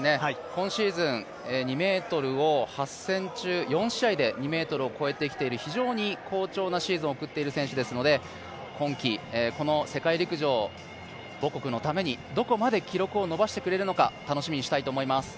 今シーズン２ｍを８戦中４試合で２ｍを越えてきている非常に好調なシーズンを送っている選手ですので今季、この世界陸上母国のためにどこまで記録を伸ばしてくれるのか楽しみにしています。